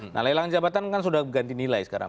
nah lelang jabatan kan sudah ganti nilai sekarang